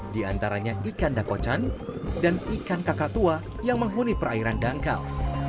di antaranya ikan dakocan dan ikan kakak tua yang menghuni perairan dangkal